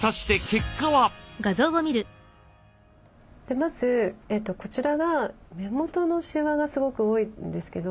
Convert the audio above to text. まずこちらが目元のしわがすごく多いんですけど。